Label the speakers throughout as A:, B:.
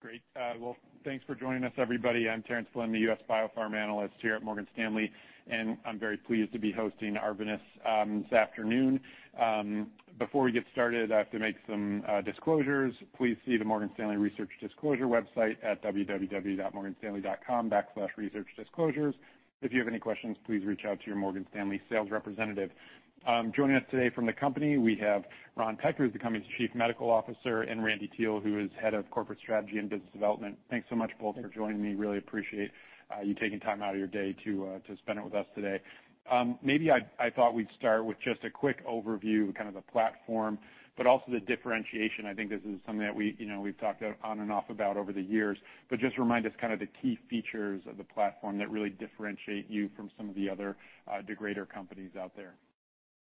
A: Great. Well, thanks for joining us, everybody. I'm Terence Flynn, the U.S. Biopharma analyst here at Morgan Stanley, and I'm very pleased to be hosting Arvinas this afternoon. Before we get started, I have to make some disclosures. Please see the Morgan Stanley Research Disclosure website at www.morganstanley.com/researchdisclosures. If you have any questions, please reach out to your Morgan Stanley sales representative. Joining us today from the company, we have Ron Peck, the company's Chief Medical Officer, and Randy Teel, who is Head of Corporate Strategy and Business Development. Thanks so much, both, for joining me. Really appreciate you taking time out of your day to spend it with us today. Maybe I thought we'd start with just a quick overview, kind of the platform, but also the differentiation. I think this is something that we, you know, we've talked on and off about over the years, but just remind us kind of the key features of the platform that really differentiate you from some of the other degrader companies out there.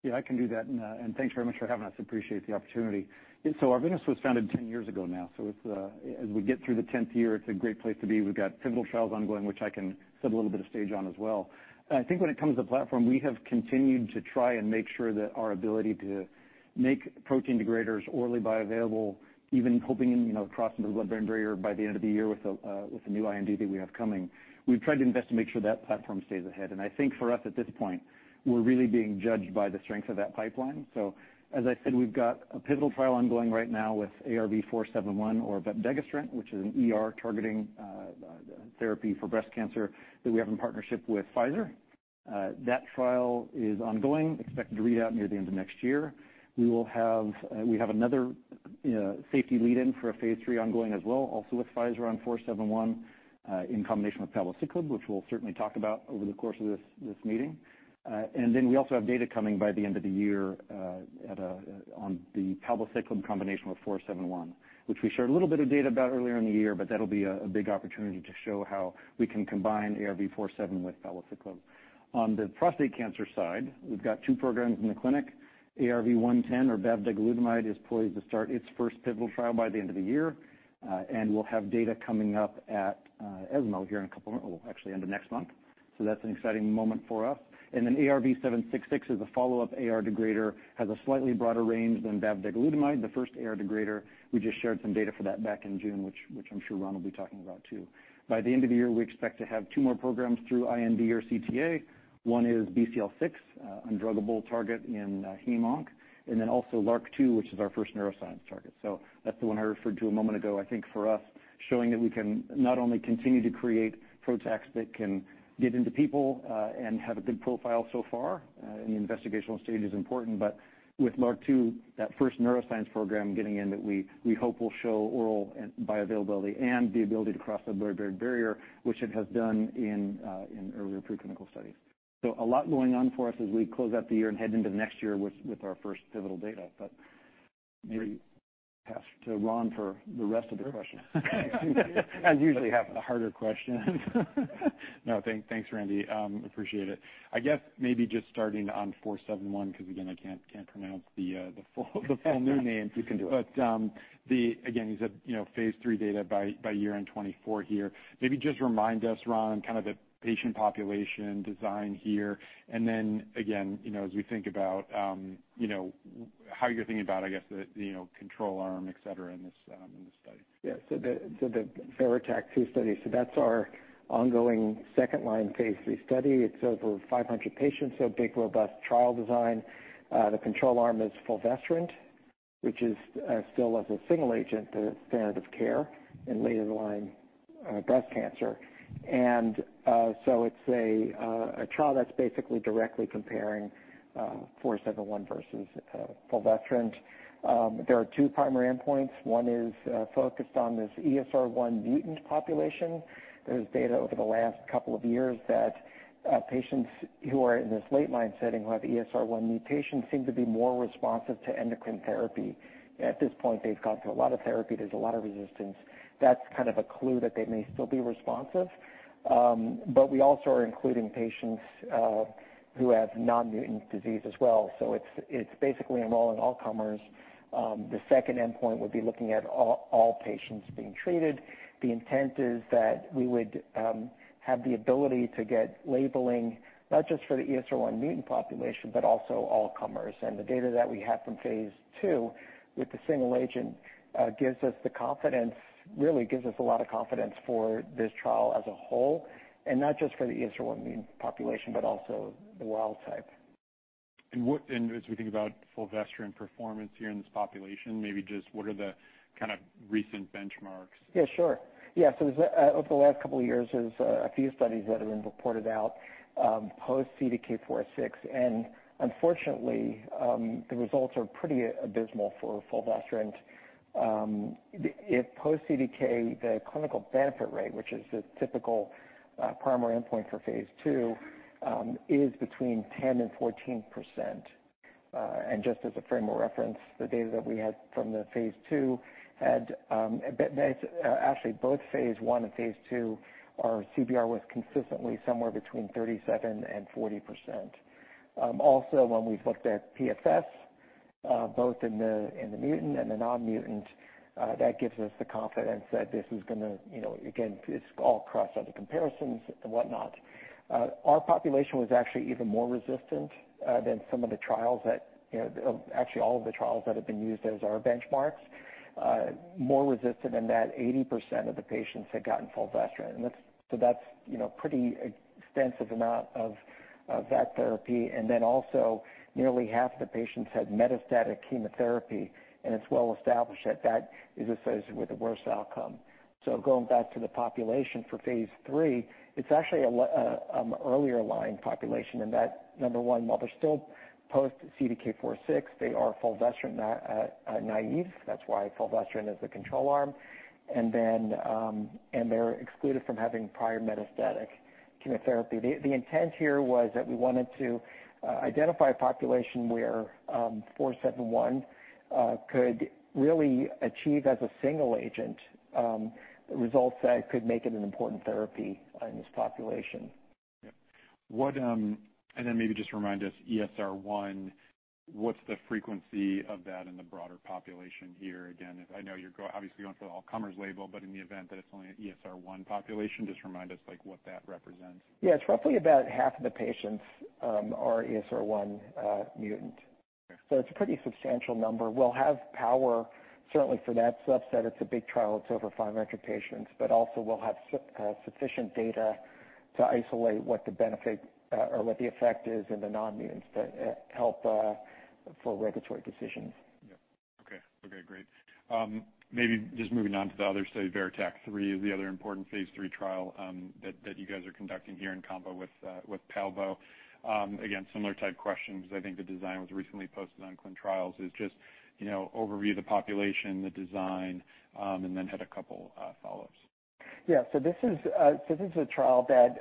B: Yeah, I can do that, and thanks very much for having us. Appreciate the opportunity. And so Arvinas was founded 10 years ago now, so it's as we get through the 10th year, it's a great place to be. We've got pivotal trials ongoing, which I can set a little bit of stage on as well. I think when it comes to platform, we have continued to try and make sure that our ability to make protein degraders orally bioavailable, even hoping, you know, to cross into the blood-brain barrier by the end of the year with a new IND that we have coming. We've tried to invest to make sure that platform stays ahead, and I think for us, at this point, we're really being judged by the strength of that pipeline. So as I said, we've got a pivotal trial ongoing right now with ARV-471, or vepdegestrant, which is an ER-targeting therapy for breast cancer that we have in partnership with Pfizer. That trial is ongoing, expected to read out near the end of next year. We have another safety lead-in for a phase III ongoing as well, also with Pfizer on 471, in combination with palbociclib, which we'll certainly talk about over the course of this meeting. And then we also have data coming by the end of the year, on the palbociclib combination with 471, which we shared a little bit of data about earlier in the year, but that'll be a big opportunity to show how we can combine ARV-471 with palbociclib. On the prostate cancer side, we've got two programs in the clinic, ARV-110, or bavdegalutamide, is poised to start its first pivotal trial by the end of the year. And we'll have data coming up at ESMO here in a couple, well, actually, end of next month. So that's an exciting moment for us. And then ARV-766 is a follow-up AR degrader, has a slightly broader range than bavdegalutamide, the first AR degrader. We just shared some data for that back in June, which I'm sure Ron will be talking about, too. By the end of the year, we expect to have two more programs through IND or CTA. One is BCL6, undruggable target in heme-onc, and then also LRRK2, which is our first neuroscience target. So that's the one I referred to a moment ago. I think for us, showing that we can not only continue to create PROTACs that can get into people, and have a good profile so far, in the investigational stage is important, but with LRRK2, that first neuroscience program getting in that we hope will show oral and bioavailability and the ability to cross the blood-brain barrier, which it has done in earlier preclinical studies. So a lot going on for us as we close out the year and head into next year with our first pivotal data. But maybe pass to Ron for the rest of the questions.
A: Sure.
B: As usually happens.
A: The harder questions. No, thanks, Randy. Appreciate it. I guess maybe just starting on 471, because again, I can't pronounce the full new name.
C: You can do it.
A: But, again, you said, you know, phase III data by year-end 2024 here. Maybe just remind us, Ron, kind of the patient population design here, and then again, you know, as we think about, you know, how you're thinking about, I guess, the, you know, control arm, et cetera, in this study?
C: The VERITAC-2 study, so that's our ongoing second-line phase III study. It's over 500 patients, so big, robust trial design. The control arm is fulvestrant, which is still as a single agent, the standard of care in later-line breast cancer. So it's a trial that's basically directly comparing 471 versus fulvestrant. There are two primary endpoints. One is focused on this ESR1 mutant population. There's data over the last couple of years that patients who are in this late line setting, who have ESR1 mutation, seem to be more responsive to endocrine therapy. At this point, they've gone through a lot of therapy, there's a lot of resistance. That's kind of a clue that they may still be responsive. But we also are including patients who have non-mutant disease as well, so it's, it's basically enrolling all comers. The second endpoint would be looking at all, all patients being treated. The intent is that we would have the ability to get labeling, not just for the ESR1 mutant population, but also all comers. And the data that we have from phase II with the single agent gives us the confidence, really gives us a lot of confidence for this trial as a whole, and not just for the ESR1 mutant population, but also the wild type.
A: As we think about fulvestrant performance here in this population, maybe just what are the kind of recent benchmarks?
C: Yeah, sure. Yeah, so over the last couple of years, there's a few studies that have been reported out, post-CDK4/6, and unfortunately, the results are pretty abysmal for fulvestrant. If post-CDK4/6, the clinical benefit rate, which is the typical primary endpoint for phase II, is between 10%-14%. And just as a frame of reference, the data that we had from the phase II had, but actually both phase I and phase II, our CBR was consistently somewhere between 37%-40%. Also, when we've looked at PFS, both in the mutant and the non-mutant, that gives us the confidence that this is gonna, you know, again, it's all across other comparisons and whatnot. Our population was actually even more resistant than some of the trials that, you know, actually, all of the trials that have been used as our benchmarks. More resistant than that, 80% of the patients had gotten fulvestrant. And that's, you know, a pretty extensive amount of that therapy. And then also, nearly half the patients had metastatic chemotherapy, and it's well established that that is associated with the worst outcome. So going back to the population for phase III, it's actually an earlier line population in that, number one, while they're still post CDK4/6, they are fulvestrant naive. That's why fulvestrant is the control arm. And then they're excluded from having prior metastatic chemotherapy. The intent here was that we wanted to identify a population where 471 could really achieve as a single agent results that could make it an important therapy in this population.
A: Yeah. What, and then maybe just remind us, ESR1, what's the frequency of that in the broader population here? Again, I know you're obviously going for the all comers label, but in the event that it's only an ESR1 population, just remind us, like, what that represents.
C: Yeah, it's roughly about half of the patients are ESR1 mutant.
A: Okay.
C: So it's a pretty substantial number. We'll have power, certainly for that subset. It's a big trial, it's over 500 patients, but also we'll have sufficient data to isolate what the benefit, or what the effect is in the non-mutants that help for regulatory decisions.
A: Yeah. Okay. Okay, great. Maybe just moving on to the other study, VERITAC-3, is the other important phase III trial that you guys are conducting here in combo with palbo. Again, similar type questions. I think the design was recently posted on ClinicalTrials.gov. It's just, you know, overview the population, the design, and then had a couple follow-ups.
C: Yeah. So this is a trial that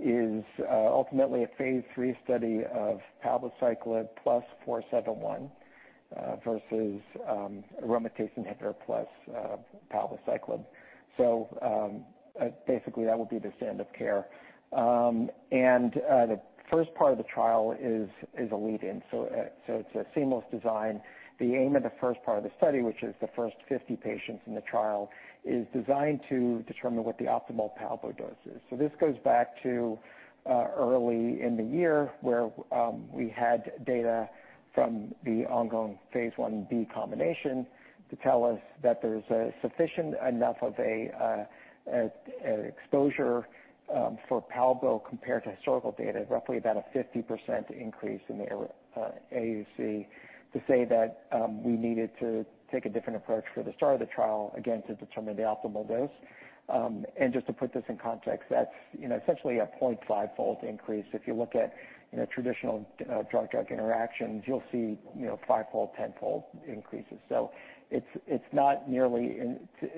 C: is ultimately a Phase III study of palbociclib plus 471 versus aromatase inhibitor plus palbociclib. So basically, that would be the standard of care. And the first part of the trial is a lead-in, so it's a seamless design. The aim of the first part of the study, which is the first 50 patients in the trial, is designed to determine what the optimal palbo dose is. So this goes back to early in the year, where we had data from the ongoing phase Ib combination to tell us that there's a sufficient enough of a exposure for palbo compared to historical data, roughly about a 50% increase in the AUC, to say that we needed to take a different approach for the start of the trial, again, to determine the optimal dose. And just to put this in context, that's, you know, essentially a 0.5-fold increase. If you look at, you know, traditional drug-drug interactions, you'll see, you know, 5-fold, 10-fold increases. So it's, it's not nearly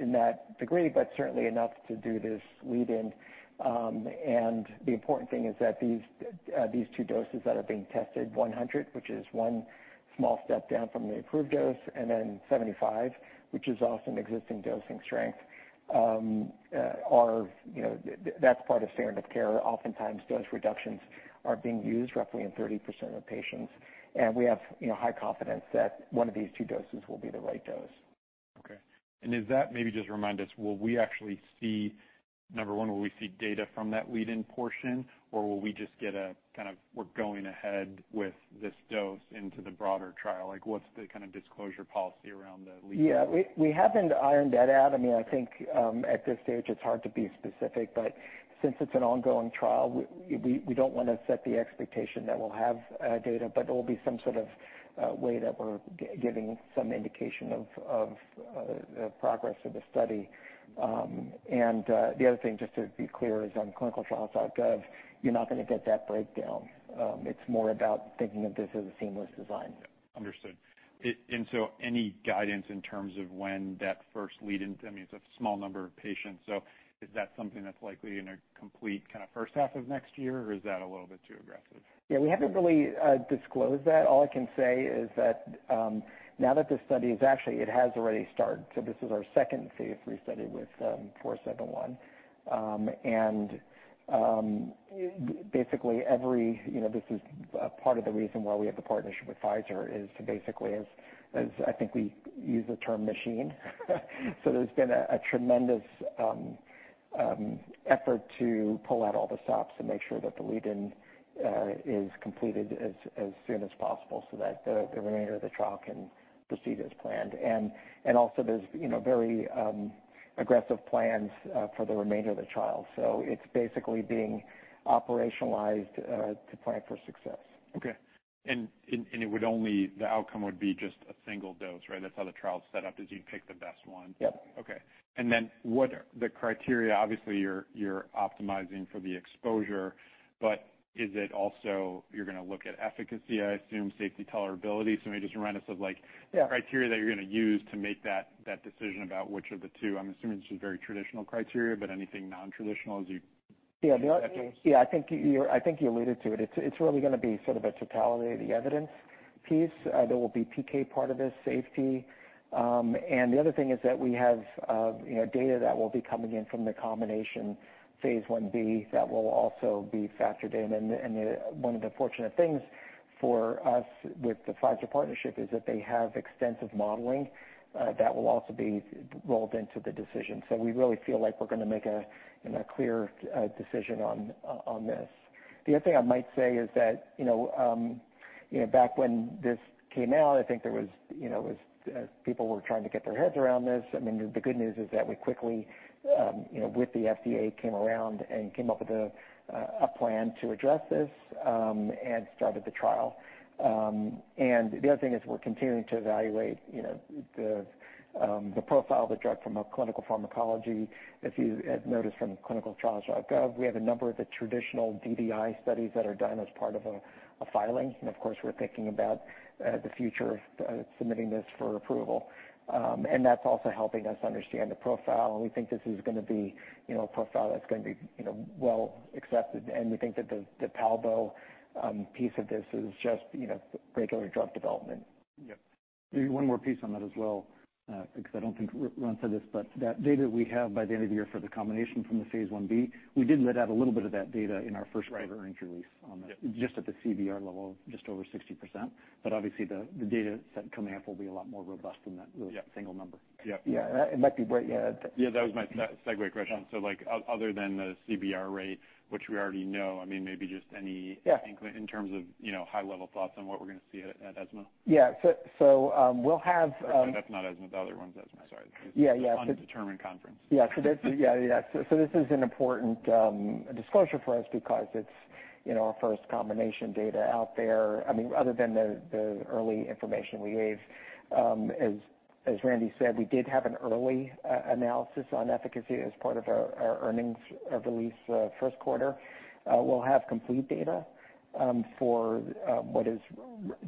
C: in that degree, but certainly enough to do this lead-in. And the important thing is that these two doses that are being tested, 100, which is one small step down from the approved dose, and then 75, which is also an existing dosing strength, are, you know, that's part of standard of care. Oftentimes, those reductions are being used roughly in 30% of patients, and we have, you know, high confidence that one of these two doses will be the right dose.
A: Okay. And is that, maybe just remind us, will we actually see... number one, will we see data from that lead-in portion, or will we just get a, kind of, we're going ahead with this dose into the broader trial? Like, what's the kind of disclosure policy around the lead-in?
C: Yeah, we haven't ironed that out. I mean, I think at this stage, it's hard to be specific, but since it's an ongoing trial, we don't want to set the expectation that we'll have data, but there will be some sort of way that we're giving some indication of progress of the study. And the other thing, just to be clear, is on ClinicalTrials.gov, you're not gonna get that breakdown. It's more about thinking of this as a seamless design.
A: Yeah. Understood. And so any guidance in terms of when that first lead-in, I mean, it's a small number of patients, so is that something that's likely in a complete kind of first half of next year, or is that a little bit too aggressive?
C: Yeah, we haven't really disclosed that. All I can say is that now that this study is... Actually, it has already started, so this is our second phase III study with 471. And basically, you know, this is part of the reason why we have the partnership with Pfizer is to basically as I think we use the term machine. So there's been a tremendous effort to pull out all the stops and make sure that the lead-in is completed as soon as possible so that the remainder of the trial can proceed as planned. And also there's, you know, very aggressive plans for the remainder of the trial, so it's basically being operationalized to plan for success.
A: Okay. And it would only, the outcome would be just a single dose, right? That's how the trial is set up, is you pick the best one.
C: Yep.
A: Okay. Then what are the criteria? Obviously, you're optimizing for the exposure, but is it also, you're gonna look at efficacy, I assume, safety, tolerability. So maybe just remind us of, like-
C: Yeah...
A: the criteria that you're gonna use to make that decision about which of the two. I'm assuming it's just very traditional criteria, but anything non-traditional as you-
C: Yeah. The-
A: Look at this?
C: Yeah, I think you alluded to it. It's really gonna be sort of a totality of the evidence piece. There will be PK part of this, safety. And the other thing is that we have, you know, data that will be coming in from the combination phase Ib, that will also be factored in. And one of the fortunate things for us with the Pfizer partnership is that they have extensive modeling that will also be rolled into the decision. So we really feel like we're gonna make a, you know, a clear decision on this. The other thing I might say is that, you know, back when this came out, I think there was, you know, people were trying to get their heads around this. I mean, the good news is that we quickly, you know, with the FDA, came around and came up with a plan to address this, and started the trial. And the other thing is we're continuing to evaluate, you know, the profile of the drug from a clinical pharmacology. If you have noticed from ClinicalTrials.gov, we have a number of the traditional DDI studies that are done as part of a filing, and of course, we're thinking about the future of submitting this for approval. And that's also helping us understand the profile. We think this is gonna be, you know, a profile that's gonna be, you know, well accepted, and we think that the palbo piece of this is just, you know, regular drug development.
A: Yep. Maybe one more piece on that as well, because I don't think Ron said this, but that data we have by the end of the year for the combination from the phase Ib, we did let out a little bit of that data in our first-
C: Right
A: fourth-quarter earnings release on that.
C: Yep.
A: Just at the CBR level, just over 60%. But obviously, the data set coming up will be a lot more robust than that.
C: Yep
A: -single number.
C: Yep. Yeah, and that, it might be right, yeah.
A: Yeah, that was my segue question. So like, other than the CBR rate, which we already know, I mean, maybe just any-
C: Yeah.
A: in terms of, you know, high-level thoughts on what we're gonna see at, at ESMO.
C: Yeah. So, we'll have,
A: That's not ESMO. The other one's ESMO, sorry.
C: Yeah, yeah.
A: Undetermined conference.
C: Yeah. So that's, yeah, yeah. So this is an important disclosure for us because it's, you know, our first combination data out there. I mean, other than the early information we gave, as Randy said, we did have an early analysis on efficacy as part of our earnings release, first quarter. We'll have complete data for what is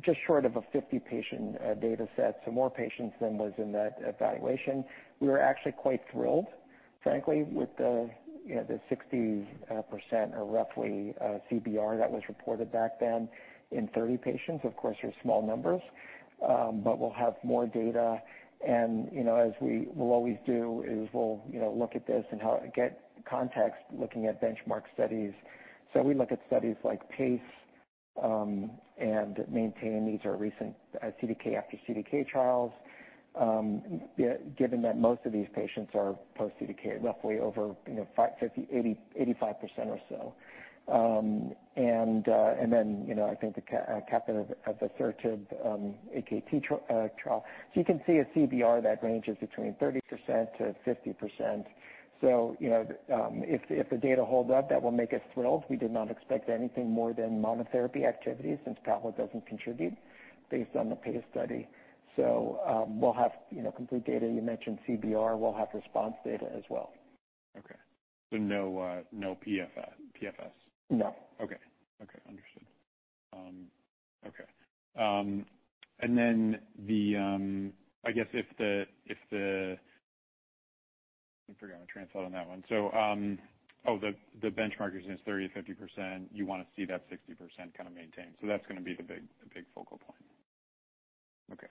C: just short of a 50-patient data set, so more patients than was in that evaluation. We were actually quite thrilled, frankly, with the, you know, 60% or roughly CBR that was reported back then in 30 patients. Of course, they're small numbers, but we'll have more data, and, you know, as we will always do, is we'll, you know, look at this and how to get context, looking at benchmark studies. So we look at studies like PACE, and MAINTAIN. These are recent CDK after CDK trials. Yeah, given that most of these patients are post-CDK, roughly over, you know, 50, 80, 85% or so. And then, you know, I thi`n`k the CAPItello AKT trial. So you can see a CBR that ranges between 30% to 50%. So, you know, if the data holds up, that will make us thrilled. We did not expect anything more than monotherapy activity, since palbo doesn't contribute based on the PACE study. So, we'll have, you know, complete data. You mentioned CBR, we'll have response data as well.
A: Okay. So no, no PFS, PFS?
C: No.
A: Okay. Okay. Understood. Okay. And then the... I guess if the, if the, I forgot my translate on that one. So, oh, the, the benchmark is in 30%-50%. You want to see that 60% kind of maintained, so that's gonna be the big, the big focal point. Okay.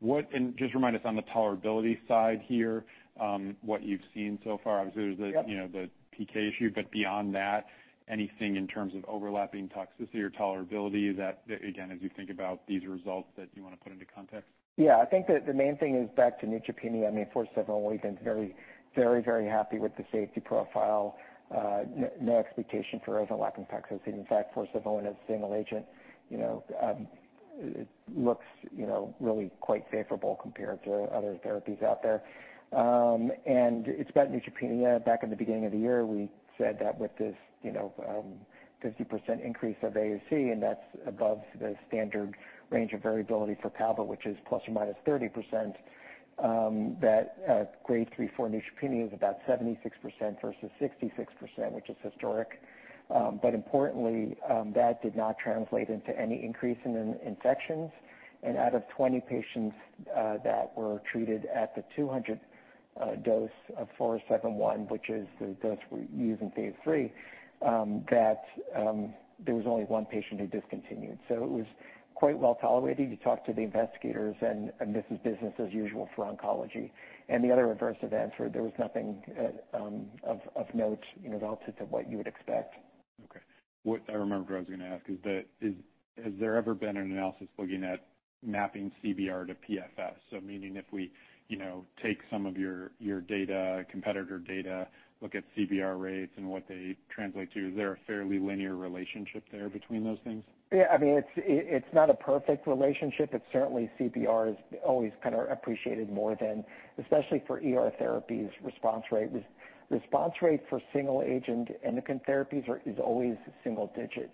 A: What, and just remind us on the tolerability side here, what you've seen so far. Obviously, there's the-
C: Yep...
A: you know, the PK issue, but beyond that, anything in terms of overlapping toxicity or tolerability that, again, as you think about these results, that you want to put into context?
C: Yeah, I think that the main thing is back to neutropenia. I mean, for several weeks, very, very, very happy with the safety profile. No expectation for overlapping toxicity. In fact, for several, as a single agent, you know, it looks, you know, really quite favorable compared to other therapies out there. And it's about neutropenia. Back in the beginning of the year, we said that with this, you know, 50% increase of AUC, and that's above the standard range of variability for palbo, which is ±30%, that grade 3/4 neutropenia is about 76% versus 66%, which is historic. But importantly, that did not translate into any increase in infections. Out of 20 patients that were treated at the 200 dose of 471, which is the dose we use in phase III, that there was only one patient who discontinued. So it was quite well tolerated. You talk to the investigators, and this is business as usual for oncology. The other adverse events, there was nothing of note, you know, relative to what you would expect.
A: Okay. What I remembered I was gonna ask is that has there ever been an analysis looking at mapping CBR to PFS? So meaning if we, you know, take some of your data, competitor data, look at CBR rates and what they translate to, is there a fairly linear relationship there between those things?
C: Yeah, I mean, it's not a perfect relationship. It's certainly CBR is always kind of appreciated more than, especially for ER therapies, response rate. Response rate for single-agent endocrine therapies is always single digit.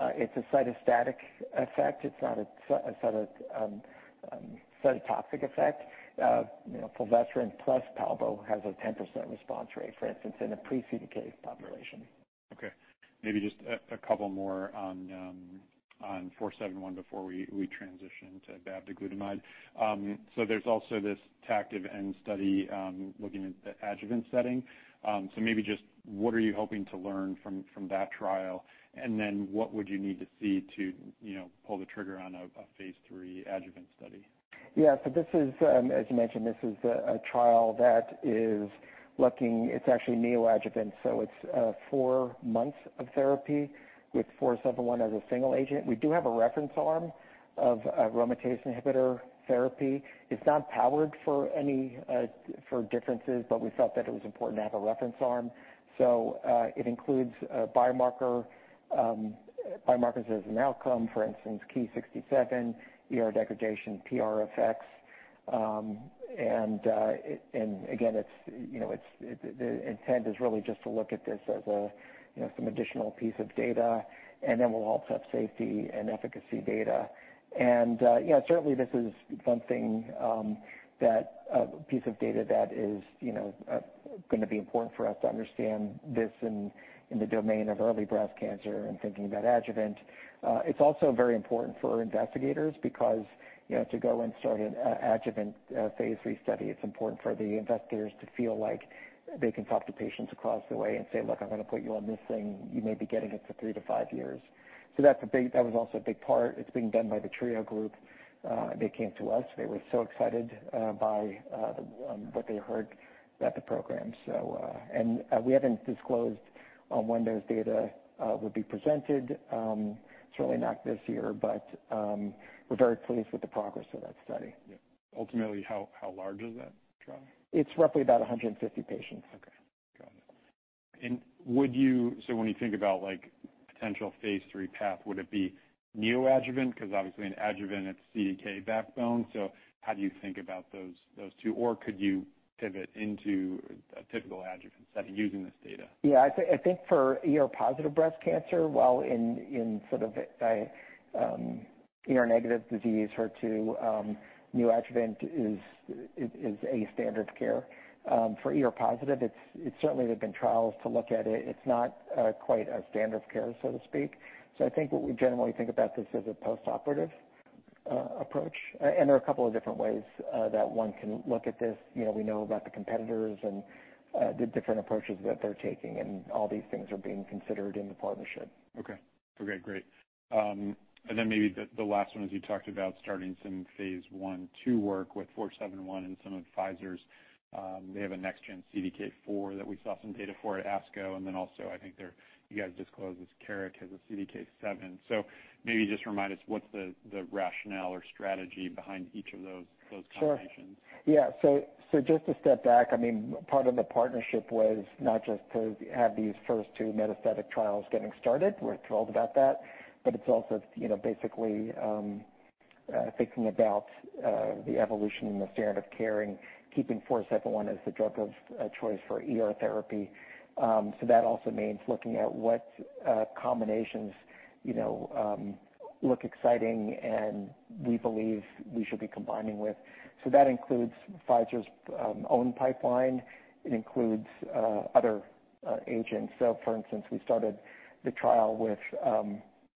C: It's a cytostatic effect. It's not a cytotoxic effect. You know, fulvestrant plus palbo has a 10% response rate, for instance, in a pre-CDK population.
A: Okay, maybe just a couple more on 471 before we transition to bavdegalutamide. So there's also this TACTIVE-N study looking at the adjuvant setting. So maybe just what are you hoping to learn from that trial? And then what would you need to see to, you know, pull the trigger on a phase III adjuvant study?
C: Yeah. So this is, as you mentioned, this is a trial that is looking... It's actually neoadjuvant, so it's four months of therapy with 471 as a single agent. We do have a reference arm of aromatase inhibitor therapy. It's not powered for any for differences, but we felt that it was important to have a reference arm. So it includes a biomarker, biomarkers as an outcome, for instance, Ki-67, ER degradation, PR effects... and it, and again, it's, you know, it's the intent is really just to look at this as a, you know, some additional piece of data, and then we'll also have safety and efficacy data. Certainly this is something that piece of data that is, you know, gonna be important for us to understand this in the domain of early breast cancer and thinking about adjuvant. It's also very important for investigators because, you know, to go and start an adjuvant phase III study, it's important for the investigators to feel like they can talk to patients across the way and say, "Look, I'm gonna put you on this thing. You may be getting it for three-five years." So that's a big part. That was also a big part. It's being done by the TRIO group. They came to us. They were so excited by what they heard about the program. We haven't disclosed on when those data will be presented. Certainly not this year, but we're very pleased with the progress of that study.
A: Yeah. Ultimately, how large is that trial?
C: It's roughly about 150 patients.
A: Okay, got it. And so when you think about, like, potential phase III path, would it be neoadjuvant? Because obviously in adjuvant, it's CDK backbone. So how do you think about those, those two? Or could you pivot into a typical adjuvant study using this data?
C: Yeah, I think for ER-positive breast cancer, while in sort of a ER-negative disease, HER2 neoadjuvant is a standard of care. For ER-positive, it's certainly there have been trials to look at it. It's not quite a standard of care, so to speak. So I think what we generally think about this is a postoperative approach. And there are a couple of different ways that one can look at this. You know, we know about the competitors and the different approaches that they're taking, and all these things are being considered in the partnership.
A: Okay. Okay, great. And then maybe the last one, as you talked about starting some phase I, II work with 471 and some of Pfizer's, they have a next gen CDK4 that we saw some data for at ASCO, and then also I think they're- you guys disclosed as Carrick has a CDK7. So maybe just remind us, what's the rationale or strategy behind each of those combinations?
C: Sure. Yeah, so, so just to step back, I mean, part of the partnership was not just to have these first two metastatic trials getting started, we're thrilled about that, but it's also, you know, basically, thinking about the evolution in the standard of care and keeping 471 as the drug of choice for ER therapy. So that also means looking at what combinations, you know, look exciting and we believe we should be combining with. So that includes Pfizer's own pipeline. It includes other agents. So for instance, we started the trial with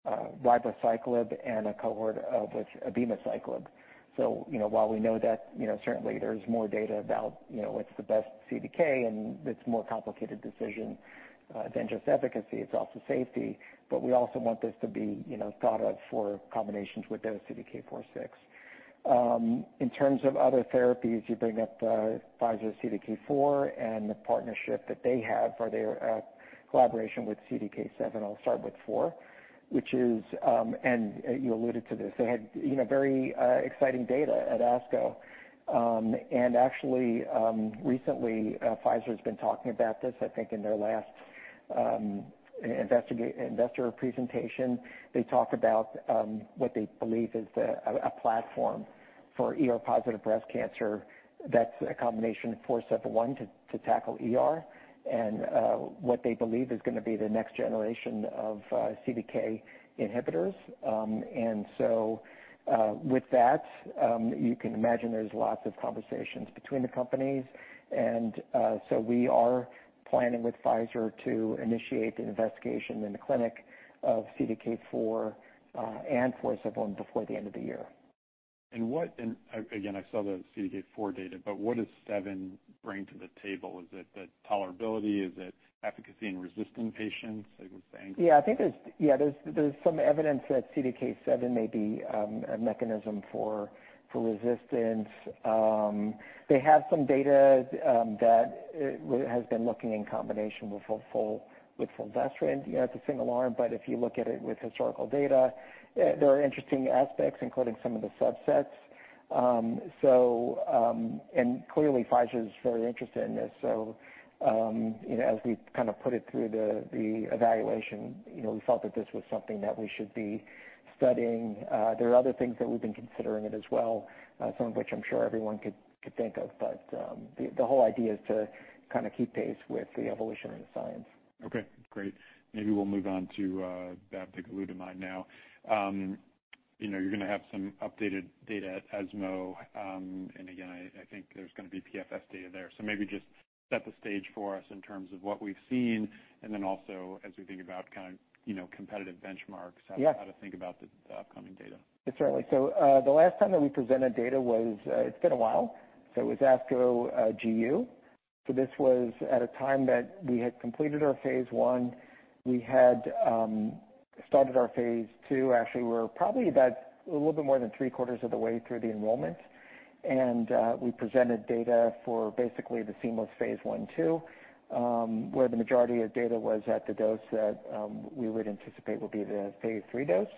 C: ribociclib and a cohort with abemaciclib. So, you know, while we know that, you know, certainly there's more data about, you know, what's the best CDK, and it's a more complicated decision than just efficacy, it's also safety, but we also want this to be, you know, thought of for combinations with those CDK4/6. In terms of other therapies, you bring up Pfizer's CDK4 and the partnership that they have for their collaboration with CDK7. I'll start with four, which is. You alluded to this, they had, you know, very exciting data at ASCO. And actually, recently, Pfizer's been talking about this, I think, in their last investor presentation. They talked about what they believe is a platform for ER-positive breast cancer. That's a combination of 471 to tackle ER and what they believe is gonna be the next generation of CDK inhibitors. And so, with that, you can imagine there's lots of conversations between the companies. And so we are planning with Pfizer to initiate an investigation in the clinic of CDK4 and 471 before the end of the year.
A: What, and again, I saw the CDK4 data, but what does seven bring to the table? Is it the tolerability? Is it efficacy in resistant patients? I would think.
C: Yeah, I think there's some evidence that CDK7 may be a mechanism for resistance. They have some data that has been looking in combination with fulvestrant. Yeah, it's a single arm, but if you look at it with historical data, there are interesting aspects, including some of the subsets. So, clearly, Pfizer is very interested in this. So, you know, as we've kind of put it through the evaluation, you know, we felt that this was something that we should be studying. There are other things that we've been considering as well, some of which I'm sure everyone could think of, but the whole idea is to kind of keep pace with the evolution of the science.
A: Okay, great. Maybe we'll move on to bavdegalutamide now. You know, you're gonna have some updated data at ESMO. And again, I, I think there's gonna be PFS data there. So maybe just set the stage for us in terms of what we've seen, and then also, as we think about kind of, you know, competitive benchmarks-
C: Yeah.
A: how to think about the upcoming data.
C: Yes, certainly. So, the last time that we presented data was, it's been a while. So it was ASCO GU. So this was at a time that we had completed our phase I. We had started our phase II. Actually, we're probably about a little bit more than three-quarters of the way through the enrollment, and we presented data for basically the seamless phase I/II, where the majority of data was at the dose that we would anticipate would be the phase III dose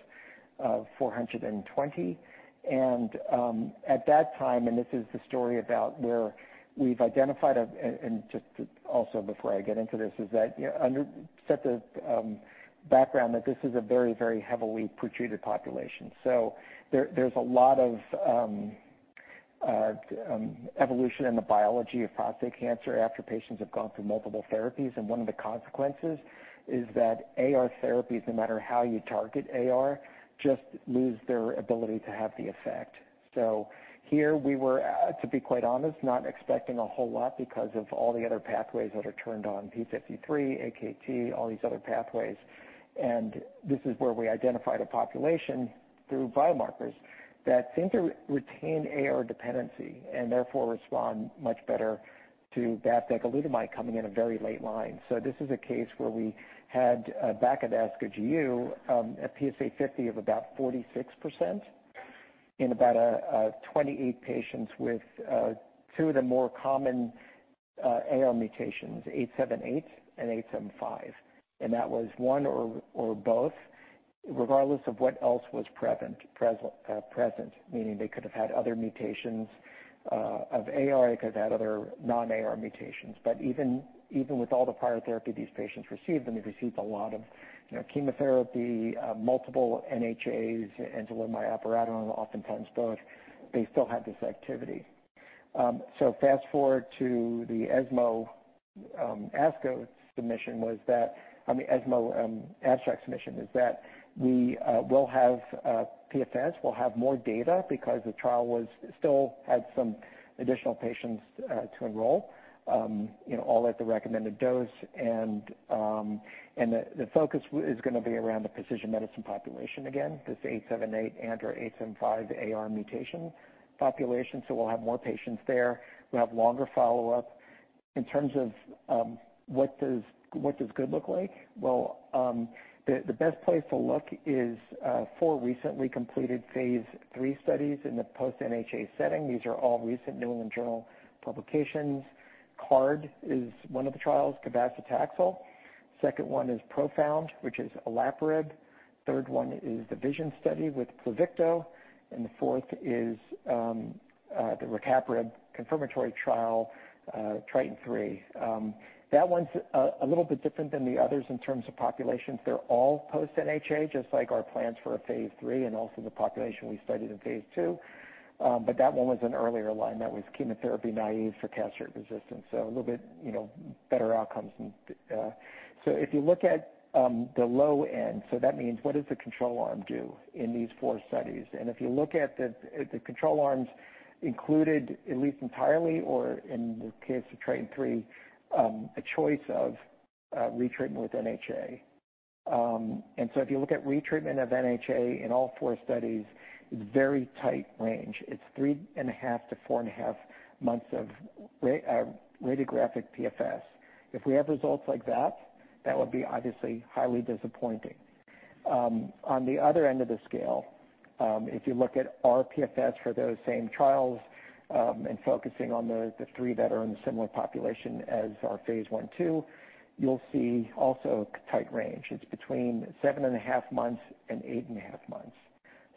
C: of 420. And at that time, and this is the story about where we've identified a... And just to also, before I get into this, is that, you know, set the background, that this is a very, very heavily pretreated population. So there, there's a lot of... Evolution and the biology of prostate cancer after patients have gone through multiple therapies, and one of the consequences is that AR therapies, no matter how you target AR, just lose their ability to have the effect. So here we were, to be quite honest, not expecting a whole lot because of all the other pathways that are turned on, p53, AKT, all these other pathways. And this is where we identified a population through biomarkers that seem to retain AR dependency and therefore respond much better to bavdegalutamide coming in a very late line. So this is a case where we had, back at ASCO GU, a PSA 50 of about 46% in about 28 patients with two of the more common AR mutations, 878 and 875. And that was one or both, regardless of what else was present, meaning they could have had other mutations of AR, they could have had other non-AR mutations. But even with all the prior therapy these patients received, and they received a lot of, you know, chemotherapy, multiple NHAs, enzalutamide, apalutamide, oftentimes both, they still had this activity. So fast forward to the ESMO ASCO submission. That, I mean, ESMO abstract submission, is that we will have PFS, we'll have more data because the trial still had some additional patients to enroll, you know, all at the recommended dose. And the focus is gonna be around the precision medicine population again, this 878 and/or 875 AR mutation population. So we'll have more patients there. We'll have longer follow-up. In terms of what does good look like? Well, the best place to look is four recently completed phase III studies in the post-NHA setting. These are all recent New England Journal publications. CARD is one of the trials, cabazitaxel. Second one is PROfound, which is olaparib. Third one is the VISION study with Pluvicto, and the fourth is the rucaparib confirmatory trial, TRITON-3. That one's a little bit different than the others in terms of populations. They're all post-NHA, just like our plans for a phase III, and also the population we studied in phase II. But that one was an earlier line. That was chemotherapy naive for castrate resistance, so a little bit, you know, better outcomes than... So if you look at the low end, so that means what does the control arm do in these four studies? And if you look at the control arms included, at least entirely or in the case of TRITON3, a choice of retreatment with NHA. And so if you look at retreatment of NHA in all four studies, it's very tight range. It's 3.5-4.5 months of radiographic PFS. If we have results like that, that would be obviously highly disappointing. On the other end of the scale, if you look at our PFS for those same trials, and focusing on the three that are in the similar population as our phase I/II, you'll see also a tight range. It's between 7.5 months and 8.5 months.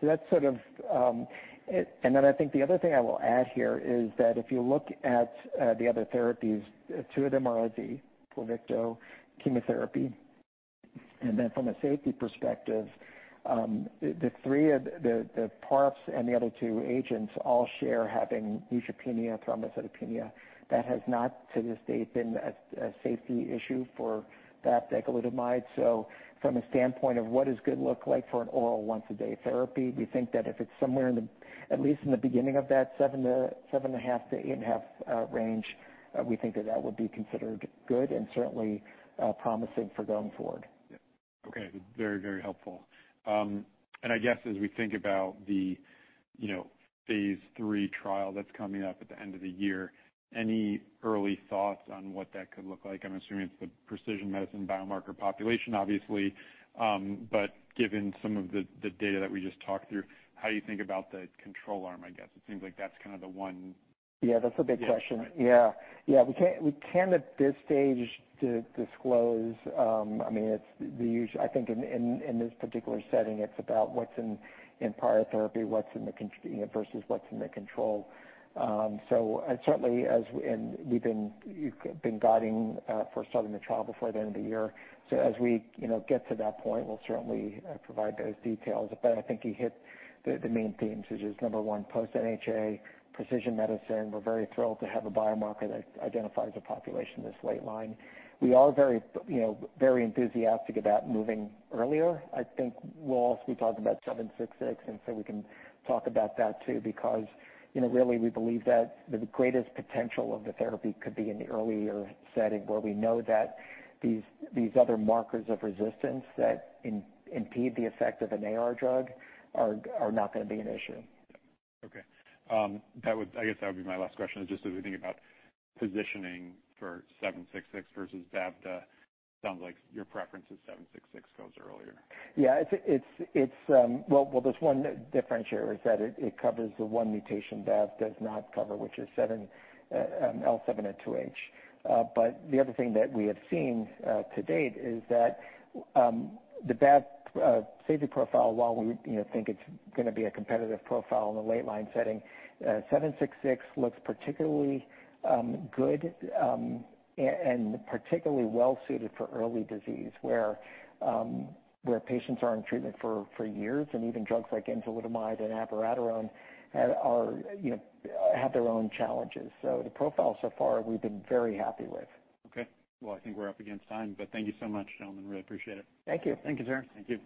C: So that's sort of, And then I think the other thing I will add here is that if you look at, the other therapies, two of them are IV, Pluvicto, chemotherapy. And then from a safety perspective, the, the three of the, the PARPs and the other two agents all share having neutropenia and thrombocytopenia. That has not, to this date, been a, a safety issue for bavdegalutamide. So from a standpoint of what does good look like for an oral once-a-day therapy, we think that if it's somewhere in the, at least in the beginning of that 7 to 7.5-8.5, range, we think that that would be considered good and certainly, promising for going forward.
A: Yeah. Okay, very, very helpful. And I guess as we think about the, you know, phase III trial that's coming up at the end of the year, any early thoughts on what that could look like? I'm assuming it's the precision medicine biomarker population, obviously. But given some of the data that we just talked through, how you think about the control arm, I guess? It seems like that's kind of the one-
C: Yeah, that's a big question.
A: Yeah.
C: Yeah. Yeah, we can't, we can't at this stage disclose, I mean, it's the us I think in, in, in this particular setting, it's about what's in, in prior therapy, what's in the con you know, versus what's in the control. So certainly as, and we've been, you've been guiding, for starting the trial before the end of the year. So as we, you know, get to that point, we'll certainly, provide those details. But I think you hit the, the main themes, which is, number one, post-NHA, precision medicine. We're very thrilled to have a biomarker that identifies a population this late line. We are very, you know, very enthusiastic about moving earlier. I think we'll also be talking about 766, and so we can talk about that too, because, you know, really, we believe that the greatest potential of the therapy could be in the earlier setting, where we know that these other markers of resistance that impede the effect of an AR drug are not gonna be an issue.
A: Yeah. Okay. That would, I guess, be my last question, is just as we think about positioning for ARV-766 versus darolutamide, sounds like your preference is ARV-766 goes earlier.
C: Yeah, it's... Well, there's one differentiator, is that it covers the one mutation Bav does not cover, which is L702H. But the other thing that we have seen to date is that the Bav safety profile, while we, you know, think it's gonna be a competitive profile in the late line setting, 766 looks particularly good, and particularly well suited for early disease, where patients are on treatment for years, and even drugs like enzalutamide and apalutamide are, you know, have their own challenges. So the profile so far, we've been very happy with.
A: Okay. Well, I think we're up against time, but thank you so much, gentlemen. Really appreciate it.
C: Thank you.
B: Thank you, sir.
A: Thank you.